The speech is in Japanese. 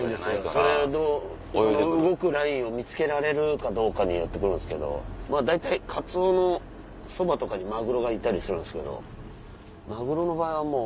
その動くラインを見つけられるかどうかによって来るんですけどまぁ大体カツオのそばとかにマグロがいたりするんですけどマグロの場合はもう。